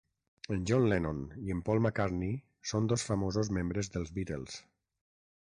En John Lennon i en Paul McCartney són dos famosos membres dels Beatles.